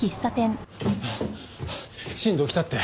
新藤来たって？